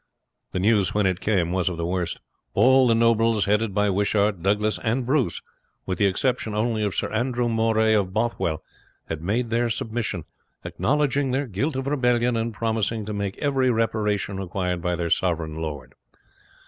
The news when it came was of the worst. All the nobles, headed by Wishart, Douglas, and Bruce, with the exception only of Sir Andrew Moray of Bothwell, had made their submission, acknowledging their guilt of rebellion, and promising to make every reparation required by their sovereign lord.